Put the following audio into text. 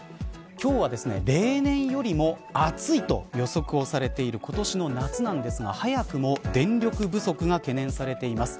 今日は例年よりも暑いと予測をされている今年の夏なんですが早くも電力不足が懸念されています。